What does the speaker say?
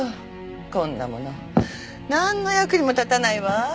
こんなものなんの役にも立たないわ。